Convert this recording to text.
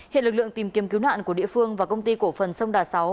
hiện lực lượng tìm kiếm cứu nạn của địa phương và công ty cổ phần sông đà sáu